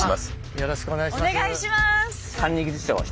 よろしくお願いします。